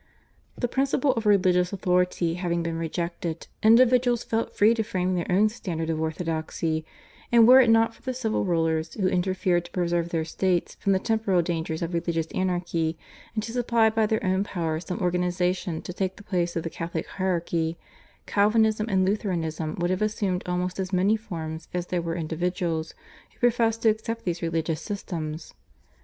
The principle of religious authority having been rejected, individuals felt free to frame their own standard of orthodoxy, and were it not for the civil rulers, who interfered to preserve their states from the temporal dangers of religious anarchy, and to supply by their own power some organisation to take the place of the Catholic hierarchy, Calvinism and Lutheranism would have assumed almost as many forms as there were individuals who professed to accept these religious systems.